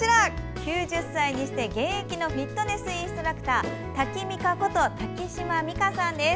９０歳にして現役のフィットネスインストラクタータキミカこと瀧島未香さんです。